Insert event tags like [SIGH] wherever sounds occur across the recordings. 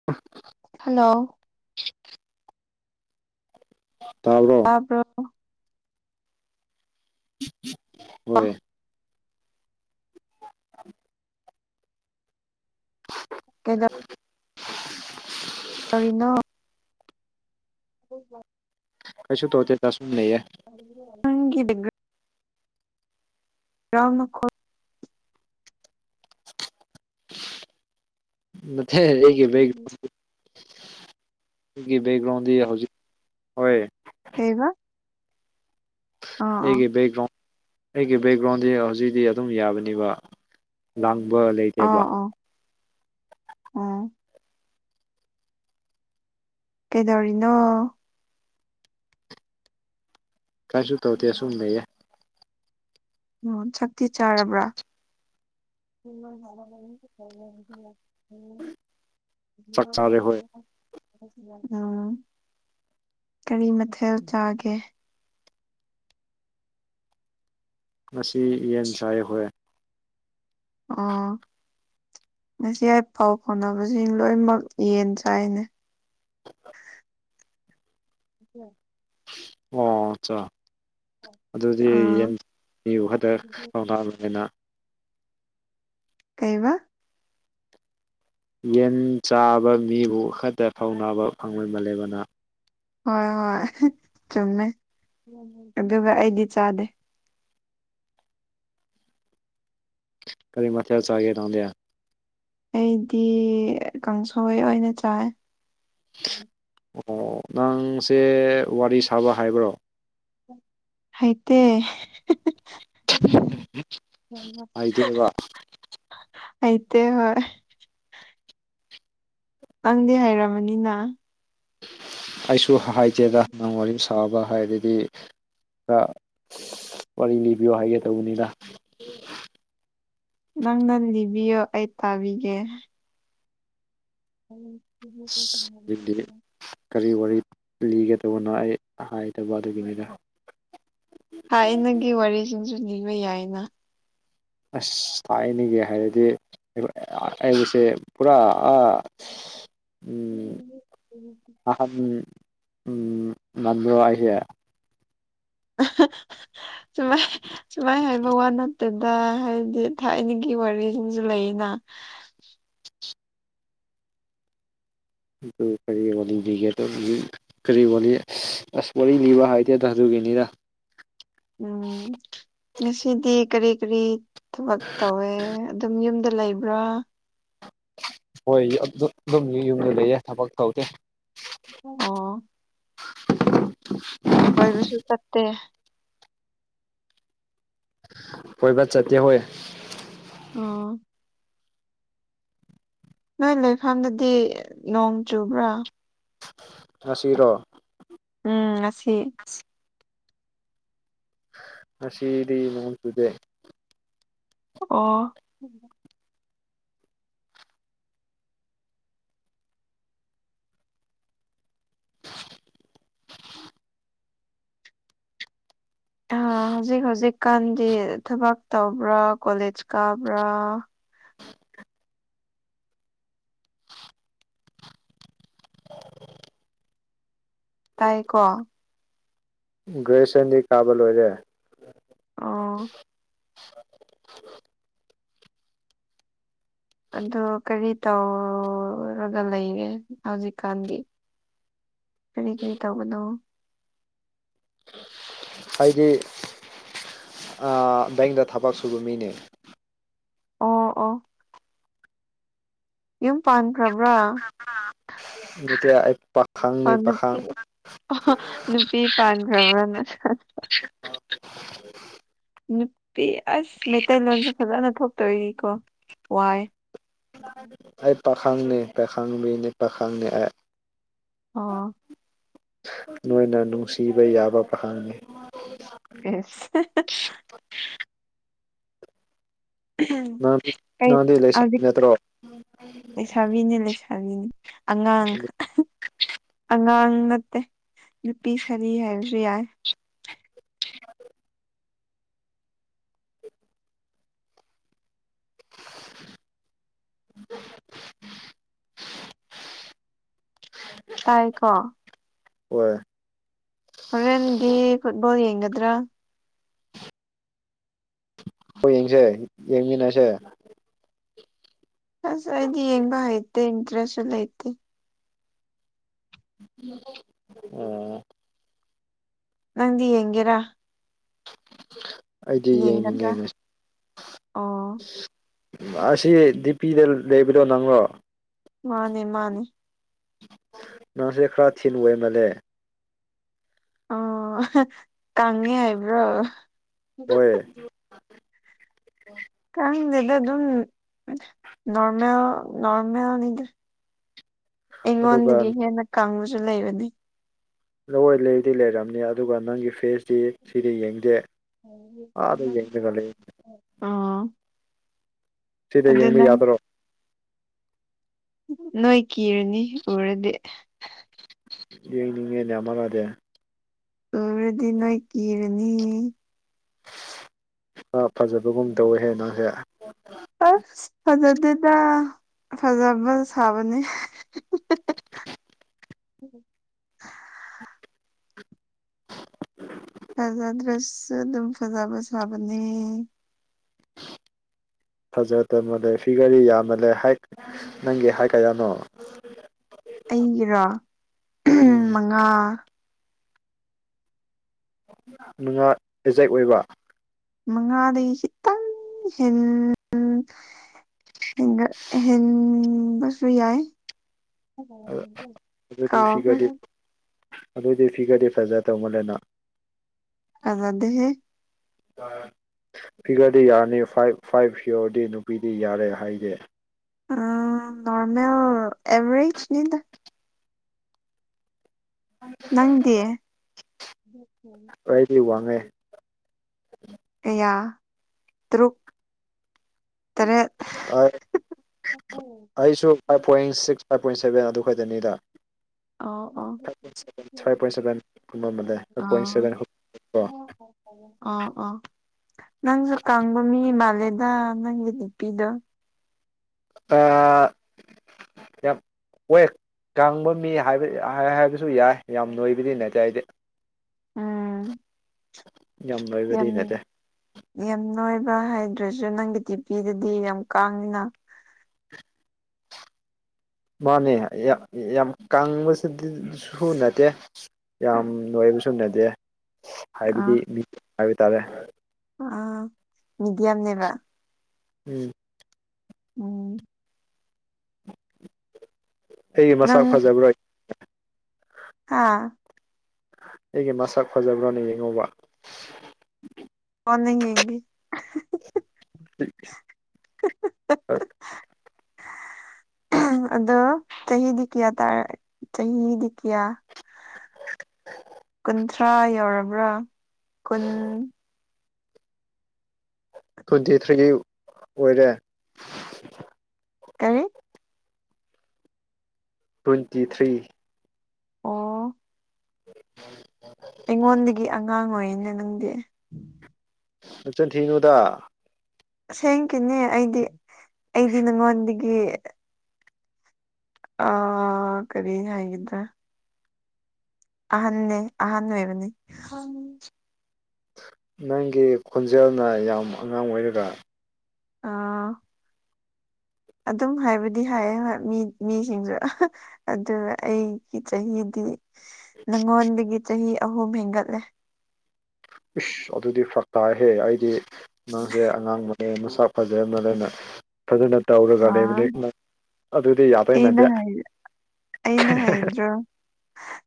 [UNINTELLIGIBLE] hello ꯇꯥꯕ꯭ꯔꯣ [UNINTELLIGIBLE] ꯍꯣꯏ [UNINTELLIGIBLE] ꯀꯦꯗꯧ ꯇꯧꯔꯤꯅꯣ [INAUDIBLE] ꯀꯩꯁꯨ ꯇꯣꯗꯦꯗ ꯑꯁꯨꯝ ꯂꯩꯌꯦ [UNINTELLIGIBLE] [UNINTELLIGIBLE] ꯌꯥꯃ ꯈꯣ [UNINTELLIGIBLE] ꯒ꯭ꯔꯥꯎꯟꯗꯤ ꯍꯧꯖꯤꯛ ꯍꯣꯏ ꯀꯩꯕ ꯑꯥ ꯑꯥ ꯑꯩꯒꯤ ꯕꯦꯒ꯭ꯔꯥꯎꯟ ꯑꯩꯒꯤ ꯕꯦꯛꯒ꯭ꯔꯥꯎꯟꯗꯤ ꯍꯧꯖꯤꯛꯇꯤ ꯑꯗꯨꯝ ꯌꯥꯕꯅꯦꯕ ꯂꯥꯡꯕ ꯂꯩ ꯑꯣ ꯑꯣ ꯀꯩꯗꯧꯔꯤꯅꯣ ꯀꯥꯏꯁꯨ ꯇꯧꯗꯦ ꯁꯨꯨꯝ ꯂꯩꯌꯦ ꯍꯣ ꯆꯥꯛꯇꯤ ꯆꯥꯔꯕ꯭ꯔꯥ ꯆꯥꯛ ꯆꯥꯔꯦ ꯍꯣꯏ [UNINTELLIGIBLE] ꯎꯝ ꯀꯔꯤ ꯃꯊꯦꯜ ꯆꯥꯒꯦ ꯉꯁꯤ ꯌꯦꯟ ꯇꯥꯢꯌꯦ ꯍꯣꯏ ꯑꯣ ꯉꯁꯤ ꯑꯥꯢ ꯄꯥꯎ ꯐꯥꯎꯅꯕꯁꯤꯡ ꯂꯣꯏꯃꯛ ꯌꯦꯟ ꯆꯥꯏꯅꯦ [UNINTELLIGIBLE] ꯑꯣ ꯆꯥ ꯑꯗꯨꯗꯤ ꯑꯥ ꯌꯦꯟ [UNINTELLIGIBLE] ꯀꯩꯕ ꯌꯦꯟ ꯆꯥꯕ ꯃꯤꯕꯨ ꯈꯛꯇ ꯊꯧꯅꯥꯅꯕ ꯐꯪꯕ ꯃꯥꯜꯂꯦꯕ ꯅ ꯍꯣꯏ ꯍꯣꯏ ꯆꯨꯝꯃꯦ ꯑꯗꯨꯒ ꯑꯩꯗꯤ ꯆꯥꯗꯦ ꯀ꯭ꯔꯤ ꯃꯊꯦꯜ ꯆꯥꯒꯦ ꯅꯥꯡꯗꯤ ꯑꯩꯗꯤ ꯀꯥꯡꯁꯣꯏ ꯑꯣꯏꯅ ꯆꯥꯏ ꯑꯣ ꯅꯪꯁꯦ ꯋꯥꯔꯤ ꯁꯥꯕ ꯍꯥꯏꯕ꯭ꯔꯣ ꯍꯩꯇꯦ ꯍꯩꯇꯦꯕ [UNINTELLIGIBLE] ꯍꯩꯇꯦ ꯍꯣꯏ ꯅꯪꯗꯤ ꯍꯥꯏꯔꯃꯅꯤꯅ ꯑꯩꯁꯨ ꯍꯥꯏꯖꯦꯗ ꯍꯪ ꯋꯥꯔꯤ ꯁ ꯁꯥꯕ ꯍꯥꯏꯔꯗꯤ ꯈ꯭ꯔ ꯋꯥꯔꯤ ꯂꯤꯕꯤꯌꯣ ꯍꯥꯏꯒꯦ ꯇꯧꯕꯅꯤꯗ ꯅꯪꯅ ꯂꯤꯕꯤꯌꯣ ꯑꯩ ꯇꯥꯕꯤꯒꯦ ꯑꯗꯨꯗꯤ [UNINTELLIGIBLE] ꯀꯔꯤ ꯋꯥꯔꯤ ꯂꯤꯒꯗꯧꯕꯅꯣ ꯑꯩ ꯍꯥꯏꯗꯕ ꯑꯗꯨꯒꯤꯅꯤꯅ ꯊꯥꯏꯅꯒꯤ ꯋꯥꯔꯤꯖꯤꯡꯖꯨ ꯂꯤꯕ ꯌꯥꯏꯅ ꯑꯁ ꯊꯥꯢꯅꯒꯤ ꯍꯥꯏꯔꯗꯤ ꯑꯩꯁꯦ ꯄꯨꯔꯥ ꯑ [UNINTELLIGIBLE] [UNINTELLIGIBLE] ꯃꯟꯕ꯭ꯔꯣ ꯍꯥꯏꯁꯦ ꯑꯍ ꯆꯨꯃꯦ ꯁꯨꯃꯥꯏ ꯍꯥꯏꯕ ꯋꯥ ꯅꯠꯇꯦꯗ ꯍꯥꯏꯗꯤ ꯊꯥꯏꯅꯒꯤ ꯋꯥꯔꯤꯖꯤꯡꯖꯨ ꯂꯩꯌꯦꯅ [UNINTELLIGIBLE] ꯂꯤꯒꯦ ꯗꯨꯝ [UNINTELLIGIBLE] ꯀꯔꯤ ꯋꯥꯂꯤ ꯑꯁ ꯋꯥꯔꯤ ꯂꯤꯕ ꯍꯥꯏꯗꯦꯗ ꯑꯗꯨꯒꯤꯅꯤꯗ ꯎꯝ ꯉꯁꯤꯗꯤ ꯀꯔꯤ ꯀꯔꯤ ꯊꯕꯛ ꯇꯧꯋꯦ ꯑꯗꯨꯝ ꯌꯨꯝꯗ ꯂꯩꯕ꯭ꯔꯥ ꯍꯣꯏ ꯑꯗꯨꯝ ꯌꯨꯝꯗ ꯂꯩꯌꯦ ꯊꯕꯛ ꯇꯧꯗꯦ ꯑꯣ [INAUDIBLE] ꯀꯣꯏꯕ ꯁꯨ ꯆꯠꯇꯦ ꯀꯣꯏꯕ ꯆꯇꯦ ꯍꯣꯏ ꯑꯣ ꯅꯣꯏ ꯂꯩꯐꯝꯗꯗꯤ ꯅꯣꯡ ꯆꯨꯕ꯭ꯔꯥ ꯉꯁꯤꯔꯣ ꯎꯝ ꯉꯁꯤ ꯉꯁꯤꯗꯤ ꯅꯣꯡ ꯆꯨꯗꯦ ꯑꯣ ꯑ ꯍꯧꯖꯤꯛ ꯍꯧꯖꯤꯛ ꯀꯥꯟꯗꯤ ꯊꯕꯛ ꯇꯧꯕ꯭ꯔꯥ ꯀꯣꯂꯦꯖ ꯀꯥꯕ꯭ꯔꯥ ꯇꯥꯏꯌꯦꯀꯣ ꯒ꯭ꯔꯦꯖꯨꯌꯦꯁꯟꯗꯤ ꯀꯥꯕ ꯂꯣꯏꯔꯦ ꯑꯣ ꯑꯗꯨ ꯀꯔꯤ ꯇꯧꯔꯒ ꯂꯩꯒꯦ ꯍꯧꯖꯤꯛꯀꯥꯟꯗꯤ ꯀꯔꯤ ꯀꯔꯤ ꯇꯧꯕꯅꯣ ꯑꯩꯗꯤ ꯑꯥ ꯕꯦꯡꯗ ꯊꯕꯛ ꯁꯨꯕ ꯃꯤꯅꯦ ꯑꯣ ꯑꯣ ꯌꯨꯝ ꯄꯥꯟꯈ꯭ꯔꯕ꯭ꯔꯥ ꯅꯠꯇꯦ ꯑꯩ ꯄꯥ ꯄꯥꯈꯪꯅꯤ ꯑꯣ ꯅꯨꯄꯤ ꯄꯥꯈꯪ [INAUDIBLE] ꯅꯨꯄꯤ ꯄꯥꯟꯈ꯭ꯔꯕ꯭ꯔꯥ ꯅ ꯅꯨꯄꯤ ꯑꯁ ꯃꯩꯇꯩꯂꯣꯟꯁꯨ ꯐꯖꯅ ꯊꯣꯛꯇꯕꯒꯤꯀꯣ ꯋꯥꯏ ꯑꯩ ꯄꯥꯈꯪꯅꯤ ꯄꯥꯈꯪ ꯃꯤꯅꯤ ꯄꯥꯈꯪꯅꯤ ꯑꯩ ꯑꯣ ꯅꯣꯏꯅ ꯅꯨꯡꯁꯤꯕ ꯌꯥꯕ ꯄꯥꯈꯪꯅꯤ ꯏꯁ ꯅꯪꯗꯤ ꯀꯩ ꯅꯪꯗꯤ ꯂꯩꯁꯕꯤ ꯅꯠꯇ꯭ꯔꯣ ꯂꯩꯁꯥꯕꯤꯅꯦ ꯂꯩꯁꯥꯕꯤꯅꯦ ꯑꯉꯥꯡ ꯑꯉꯥꯡ ꯅꯠꯇꯦ ꯅꯨꯄꯤ ꯁꯔꯤ ꯍꯥꯏꯔꯁꯨ ꯌꯥꯏ [INAUDIBLE] ꯇꯥꯏꯀꯣ ꯍꯣꯏ ꯍꯣꯔꯦꯟꯗꯤ ꯐꯨꯠꯕꯣꯜ ꯌꯦꯡꯒꯗ꯭ꯔꯣ ꯍꯣꯏ ꯌꯦꯡꯁꯦ ꯌꯦꯡꯃꯤꯟꯅꯁꯦ ꯑꯁ ꯑꯩꯗꯤ ꯌꯦꯡꯕ ꯍꯩꯇꯦ ꯏꯟꯇ꯭ꯔꯦꯁꯨ ꯂꯩꯇꯦ [UNINTELLIGIBLE] ꯑꯣ ꯅꯪꯗꯤ ꯌꯦꯡꯒꯦꯔꯥ ꯑꯩꯗꯤ ꯌꯦꯡꯅꯤꯡꯉꯦ ꯌꯦꯡꯒꯗ꯭ꯔꯥ ꯑꯣ ꯑꯁꯤ ꯗꯤ ꯄꯤꯗ ꯂꯩꯕꯗꯣ ꯅꯪꯔꯣ ꯃꯥꯅꯦ ꯃꯥꯅꯦ ꯅꯪꯁꯦ ꯈꯔ ꯊꯤꯟ ꯑꯣꯢꯃꯜꯂꯦ ꯑꯣ ꯀꯪꯉꯦ ꯍꯥꯏꯕ꯭ꯔꯣ ꯍꯣꯏ ꯈꯪꯗꯦꯗ ꯑꯗꯨꯝ ꯅꯣꯔꯃꯦꯜ ꯅꯣꯔꯃꯦꯜꯅꯤꯗ ꯑꯗꯨꯒ ꯑꯩꯉꯣꯟꯗꯒꯤ ꯍꯦꯟꯅ ꯀꯪꯕꯁꯨ ꯂꯩꯕꯅꯤ ꯂꯣꯋꯔ ꯂꯩꯗꯤ ꯂꯩꯔꯝꯅꯤ ꯑꯗꯨꯒ ꯅꯪꯒꯤ ꯐꯦꯁꯇꯤ ꯁꯤꯗꯤ ꯌꯦꯡꯗꯦ ꯑꯥꯗ ꯌꯦꯡꯊꯔ ꯂꯩꯌꯦ ꯑꯣ ꯁꯤꯗ ꯑꯗꯨ ꯌꯦꯡꯕ ꯅꯪ ꯌꯥꯗ꯭ꯔꯣ ꯅꯣꯏ ꯀꯤꯔꯅꯤ ꯎꯔꯗꯤ ꯌꯦꯅꯤꯡꯉꯦꯅꯦ ꯃꯃꯥꯗꯤ ꯎꯔꯗꯤ ꯅꯣꯏ ꯀꯤꯔꯅꯤꯍꯦ ꯑꯥ ꯐꯖꯕꯒꯨꯝ ꯇꯧꯋꯦ ꯍꯥꯢꯋꯦ ꯃꯥꯁꯦ ꯑꯁ ꯐꯖꯗꯦꯗ ꯐꯖꯕ ꯁꯥꯕꯅꯤ ꯐꯖꯗ꯭ꯔꯁꯨ ꯑꯗꯨꯝ ꯐꯖꯕ ꯁꯥꯕꯅꯦ ꯐꯖꯗꯕꯗꯩ ꯐꯤꯒꯔꯗꯤ ꯌꯥꯝꯃꯜꯂꯦ ꯍꯥꯢꯠ ꯅꯪꯒꯤ ꯍꯥꯢꯠ ꯀꯌꯥꯅꯣ ꯑꯩꯒꯤꯔꯣ ꯎꯝ ꯃꯉꯥ ꯃꯉꯥ ꯑꯦꯖꯦꯛ ꯑꯣꯏꯕ ꯃꯉꯥꯗꯒꯤ ꯈꯤꯠꯇꯪ ꯍꯦꯟ ꯍꯦꯟꯒꯠ ꯑꯍꯦꯟꯕꯁꯨ ꯌꯥꯏ ꯑꯗꯨꯗꯤ ꯐꯤꯒꯔꯗꯤ ꯀꯥꯎꯒ꯭ꯔꯦ ꯑꯗꯨꯗꯤ ꯐꯤꯒꯔꯗꯤ ꯐꯖ ꯗꯧꯕꯅꯦꯅ ꯐꯖꯗꯦꯍꯦ ꯑꯥ ꯐꯤꯒꯔꯗꯤ ꯌꯥꯔꯅꯤ ꯐꯥꯢꯚ ꯐꯥꯏꯚ ꯌꯧꯔꯗꯤ ꯅꯨꯄꯤꯗꯤ ꯌꯥꯔꯦ ꯍꯥꯢꯒꯦ ꯑ ꯅꯣꯔꯃꯦꯜ ꯑꯦꯚꯔꯦꯖꯅꯤꯗ ꯑꯥ ꯅꯪꯗꯤ ꯑꯩꯗꯤ ꯋꯥꯡꯉꯦ ꯑꯌꯥ ꯇꯔꯨꯛ ꯇꯔꯦꯠ ꯑꯥꯢꯑꯦꯠ ꯑꯩꯁꯨ five point six five point seven ꯑꯗꯨ ꯈꯛꯇꯅꯤꯗ ꯑꯣ ꯑꯣ five point seven five point seven ꯑꯃ ꯑꯃꯗꯩ ꯐꯥꯏꯚ ꯄꯣꯏꯟ ꯁꯚꯦꯟ ꯑꯣ ꯑ ꯑ ꯅꯪꯖꯨ ꯀꯪꯕ ꯃꯤ ꯃꯥꯂꯦꯗ ꯅꯪꯒꯤ ꯗꯤꯄꯤꯗꯣ ꯑꯥ ꯌꯞ ꯋꯦꯛ ꯀꯪꯕ ꯃꯤ ꯍꯥꯢꯕ ꯍꯍꯥꯢꯕꯁꯨ ꯌꯥꯢ ꯌꯥꯝ ꯅꯣꯢꯕꯗꯤ ꯅꯠꯇꯦ ꯑꯩꯗꯤ ꯎꯝ ꯌꯥꯝ ꯅꯣꯢꯕꯗꯤ ꯅꯠꯇꯦ ꯌꯥꯝ ꯅꯣꯢꯕ ꯍꯥꯢꯗ꯭ꯔꯁꯨ ꯅꯪꯒꯤ ꯗꯤꯄꯤꯗꯨꯗꯤ ꯌꯥꯝ ꯀꯪꯉꯤꯅ ꯃꯥꯅꯦ ꯌꯥꯝ ꯌꯥꯝ ꯀꯪꯕꯁꯤꯗꯤ ꯁꯨ ꯅꯠꯇꯦ ꯌꯥꯝ ꯅꯣꯢꯕꯁꯨ ꯅꯠꯇꯦ ꯍꯥꯢꯕꯗꯤ ꯃꯤ ꯍꯥꯢꯕ ꯇꯥꯔꯦ ꯑ ꯃꯤꯗꯤꯌꯝꯅꯦꯕ ꯎꯝ ꯎꯝ ꯑꯩꯒꯤ ꯃꯁꯛ ꯅꯪ ꯐꯖꯕ꯭ꯔꯣꯏ ꯍꯥꯥ ꯑꯩꯒꯤ ꯃꯁꯛ ꯐꯖꯕ꯭ꯔꯅ ꯌꯦꯡꯉꯣꯕ ꯀꯣꯟꯅ ꯌꯦꯡꯒꯦ [UNINTELLIGIBLE] [INAUDIBLE] ꯑꯗꯣ ꯆꯍꯤꯗꯤ ꯀꯌꯥ ꯇꯥꯔꯦ ꯆꯍꯤꯗꯤ ꯀꯌꯥ ꯀꯨꯟꯊ꯭ꯔꯥ ꯌꯧꯔꯕ꯭ꯔꯥ ꯀꯨꯟ ꯇ꯭ꯋꯦꯟꯇꯤ ꯊ꯭ꯔꯤꯒꯤ ꯑꯣꯏꯔꯦ ꯀꯔꯤ ꯇ꯭ꯋꯦꯟꯇꯤ ꯊ꯭ꯔꯤ ꯑꯣ ꯑꯩꯉꯣꯟꯗꯒꯤ ꯑꯉꯥꯡ ꯑꯣꯏꯔꯤꯅꯦ ꯅꯪꯗꯤ ꯅꯆꯤꯟ ꯊꯤꯅꯨꯗ ꯑꯁꯦꯡꯀꯤꯅꯦ ꯑꯩꯗꯤ ꯑꯩꯗꯤ ꯅꯉꯣꯟꯗꯒꯤ ꯑ ꯀꯔꯤ ꯍꯥꯏꯒꯗ꯭ꯔꯥ ꯑꯍꯟꯅꯦ ꯑꯍꯟ ꯑꯣꯏꯕꯅꯤ ꯅꯪꯒꯤ ꯈꯣꯟꯖꯦꯜꯅ ꯌꯥꯝ ꯑꯉꯥꯡ ꯑꯣꯏꯔꯒ ꯑꯥ ꯑꯗꯨꯝ ꯍꯥꯏꯕꯗꯤ ꯍꯥꯏꯌꯦ ꯍꯣꯏ ꯃꯤ ꯃꯤꯁꯤꯡꯁꯨ ꯑꯗꯨꯒ ꯑꯩꯒꯤ ꯆꯍꯤꯗꯤ ꯅꯉꯣꯟꯗꯒꯤ ꯆꯍꯤ ꯑꯍꯨꯝ ꯍꯦꯟꯒꯠꯂꯦ ꯏꯁ ꯑꯗꯨꯗꯤ ꯐꯔꯛ ꯇꯥꯏꯍꯦ ꯑꯩꯗꯤ ꯅꯪꯁꯦ ꯑꯉꯥꯡꯕꯅꯦ ꯃꯁꯛ ꯐꯖꯔꯝꯃꯗꯤ ꯑꯩꯅꯥ ꯐꯖꯅ ꯇꯧꯔꯒ ꯑꯥ ꯂꯩꯕꯅꯤ ꯅꯠ ꯑꯗꯨꯗꯤ ꯌꯥꯗꯣꯏ ꯑꯩꯅ ꯃꯥꯟꯗꯦ ꯍꯥꯏ ꯑꯩꯅ ꯍꯥꯏꯗ꯭ꯔꯣ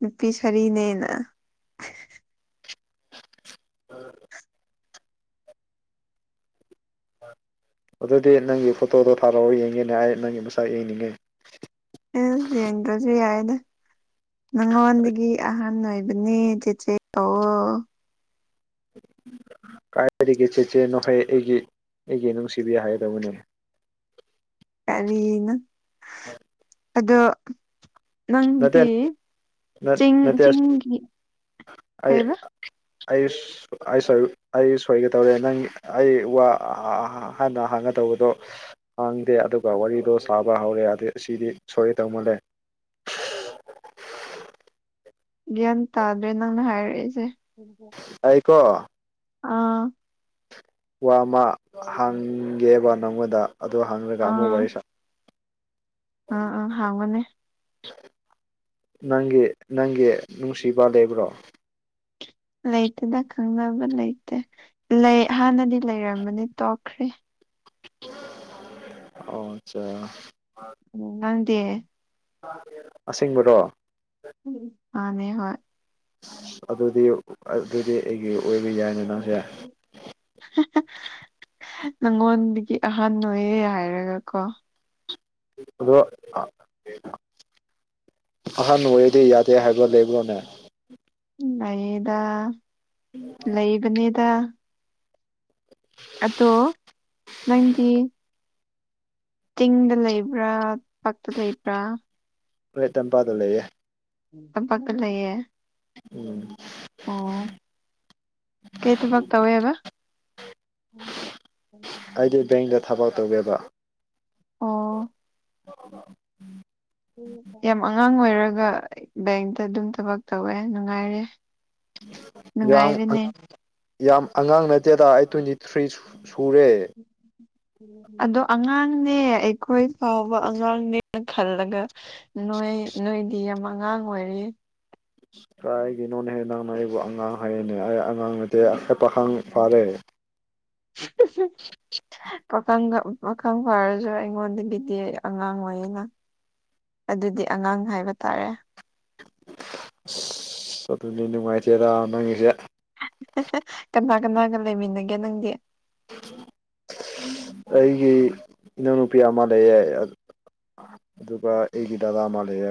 ꯅꯨꯄꯤ ꯁꯔꯤꯅꯦꯅ [UNINTELLIGIBLE] ꯑꯗꯨꯗꯤ ꯅꯪꯒꯤ ꯐꯣꯇꯣꯗꯣ ꯊꯥꯔꯛꯑꯣ ꯌꯦꯡꯒꯦꯅꯦ ꯑꯩ ꯅꯪꯒꯤ ꯃꯁꯛ ꯌꯦꯡꯅꯤꯡꯉꯦ ꯑꯦ ꯌꯦꯡꯗ꯭ꯔꯖꯨ ꯌꯥꯏꯗ ꯅꯪꯉꯣꯟꯗꯒꯤ ꯑꯍꯟ ꯍꯟ ꯑꯣꯏꯕꯅꯦ ꯆꯦꯆꯦ ꯀꯧꯑꯣ ꯀꯥꯏꯗꯒꯤ ꯆꯦꯆꯦꯅꯣꯍꯩ ꯑꯩꯒꯤ ꯑꯩꯒꯤ ꯅꯨꯡꯁꯤꯕꯤ ꯍꯥꯏꯒꯗꯧꯕꯅꯦ ꯀꯔꯤꯅꯣ [INAUDIBLE] ꯑꯗꯣ ꯅꯠꯇꯦ ꯅꯪꯗꯤ ꯆꯤꯡ ꯅꯠꯇꯦ ꯆꯤꯡꯒꯤ ꯀꯩꯕ ꯑꯩꯁ ꯑꯩꯁ ꯑꯩꯁꯨ ꯑꯩ ꯁꯣꯏꯒꯦ ꯇꯧꯔꯦ ꯅꯪ ꯑꯩ ꯋꯥ ꯑꯥ ꯑꯥ ꯑꯥ ꯑꯍꯥꯟꯅ ꯍꯥꯡꯒ ꯇꯧꯕꯗꯣ ꯍꯥꯡꯗꯦ ꯑꯗꯨꯒ ꯋꯥꯔꯤꯗꯣ ꯁꯥꯕ ꯍꯧꯔꯦ ꯑꯗꯦ ꯑꯥꯁꯤꯗꯤ ꯁꯣꯏꯒꯗꯧ ꯃꯜꯂꯦ [INAUDIBLE] ꯒ꯭ꯌꯥꯟ ꯇꯥꯗꯦ ꯅꯪꯅ ꯍꯥꯏꯔꯛꯏꯁꯦ ꯑꯩꯀꯣ ꯑꯥ ꯋꯥ ꯑꯃꯥ ꯍꯥꯡꯒꯦꯕ ꯅꯪꯉꯣꯟꯗ ꯑꯗꯨ ꯍꯥꯡꯔꯒ ꯑꯥ ꯑꯃꯨꯛ ꯋꯥꯔꯤ ꯁꯥ ꯑꯥ ꯑꯥ ꯍꯥꯡꯉꯣꯅꯦ ꯅꯪꯒꯤ ꯅꯪꯒꯤ ꯅꯨꯡꯁꯤꯕ ꯂꯩꯕ꯭ꯔꯣ ꯂꯩꯇꯦꯗ ꯈꯪꯅꯕ ꯂꯩꯇꯦ ꯂꯩ ꯍꯥꯟꯅꯗꯤ ꯂꯩꯔꯝꯃꯅꯤ ꯇꯣꯛꯈ꯭ꯔꯦ ꯑꯣ ꯑꯠꯆꯥ ꯎ ꯅꯪꯗꯤ ꯑꯁꯦꯡꯕꯔꯣ ꯃꯥꯅꯦ ꯍꯣꯏ ꯑꯗꯨꯗꯤ ꯑꯗꯨꯗꯤ ꯑꯩꯒꯤ ꯑꯣꯏꯕ ꯌꯥꯏꯅ ꯅꯪꯁꯦ [UNINTELLIGIBLE] ꯅꯪꯉꯣꯟꯗꯒꯤ ꯑꯍꯟ ꯑꯣꯏꯌꯦ ꯍꯥꯏꯔꯒ ꯀꯣ ꯑꯗꯣ ꯑꯥ ꯑꯍꯟ ꯑꯣꯏꯔꯗꯤ ꯌꯥꯗꯦ ꯍꯥꯏꯕ ꯂꯩꯕ꯭ꯔꯣꯅꯦ ꯂꯩꯌꯦꯗ ꯂꯩꯕꯅꯦꯗ ꯑꯗꯣ ꯅꯪꯒꯤ ꯆꯤꯡꯗ ꯂꯩꯕ꯭ꯔꯥ ꯄꯛꯇ ꯂꯩꯕ꯭ꯔꯥ ꯑꯦ ꯇꯝꯄꯥꯗ ꯂꯩꯌꯦ ꯇꯝꯄꯥꯛꯇ ꯂꯩꯌꯦ ꯎꯝ ꯑꯣ ꯀꯩ ꯊꯕꯛ ꯇꯧꯋꯦꯍꯕ ꯑꯩꯗꯤ ꯕꯦꯡꯗ ꯊꯕꯛ ꯇꯧꯒꯦꯕ ꯑꯣ [INAUDIBLE] ꯌꯥꯝ ꯑꯉꯥꯡ ꯑꯣꯏꯔꯒ ꯕꯦꯡꯇ ꯑꯗꯨꯝ ꯊꯕꯛ ꯇꯧꯋꯦ ꯅꯨꯡꯉꯥꯏꯔꯦ ꯌꯥꯝ ꯅꯨꯡꯉꯥꯏꯔꯦꯅꯦ ꯌꯥꯝ ꯑꯉꯥꯡ ꯅꯠꯇꯦꯗ ꯑꯩ ꯇ꯭ꯋꯦꯟꯇꯤ ꯊ꯭ꯔꯤ ꯁꯨ ꯁꯨꯔꯦ ꯑꯗꯣ ꯑꯉꯥꯡꯅꯦ ꯑꯩꯈꯣꯏ ꯐꯥꯎꯕ ꯑꯉꯥꯡꯅꯦꯅ ꯈꯜꯂꯒ ꯅꯣꯏ ꯅꯣꯏꯗꯤ ꯌꯥꯝ ꯑꯉꯥꯡ ꯑꯣꯏꯔꯤ ꯀꯥꯏꯒꯤꯅꯣ ꯍꯦ ꯅꯪꯅ ꯑꯩꯕꯨ ꯑꯉꯥꯡ ꯍꯥꯌꯦꯅꯦ ꯑꯩ ꯑꯉꯥꯡ ꯅꯠꯇꯦ ꯑꯦ ꯄꯥꯈꯪ ꯐꯥꯔꯦ ꯄꯥꯈꯪꯒ ꯎ ꯄꯈꯪ ꯐꯥꯔꯁꯨ ꯑꯩꯉꯣꯟꯗꯒꯤꯗꯤ ꯑꯉꯥꯡ ꯑꯣꯏꯌꯦꯅ ꯑꯗꯨꯗꯤ ꯑꯉꯥꯡ ꯍꯥꯏꯕ ꯇꯥꯔꯦ ꯑꯁ ꯑꯗꯨꯅꯤ ꯅꯨꯡꯉꯥꯏꯇꯦꯗ ꯅꯪꯒꯤꯁꯦ ꯀꯅꯥ ꯀꯅꯥꯒ ꯂꯩꯃꯤꯟꯅꯒꯦ ꯅꯪꯗꯤ ꯑꯩꯒꯤ ꯏꯅꯥꯎꯅꯨꯄꯤ ꯑꯃ ꯂꯩꯌꯦ ꯑꯗꯨꯒ ꯑꯩꯒꯤ ꯗꯥꯗꯥ ꯃꯥ ꯂꯩꯌꯦ